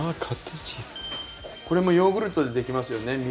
これもヨーグルトでできますよね